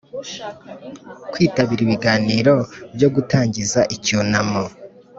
Kwitabira ibiganiro byo gutangiza icyunamo